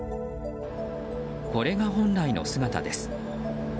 これが本来の姿です。